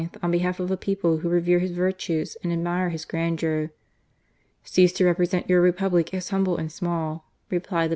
on behalf of a people who revere his virtues and admire his grandeur." " Cease to represent your Republic as humble and small," replied the Papa!